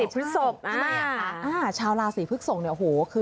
ผู้ชาวราศีผึกศกเนี่ยโอ้โห